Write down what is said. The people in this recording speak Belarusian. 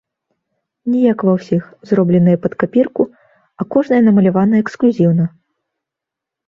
Не як ва ўсіх, зробленыя пад капірку, а кожная намалявана эксклюзіўна.